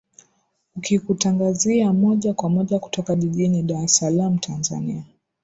ukikutangazia moja kwa moja kutoka jijini dar es salam tanzania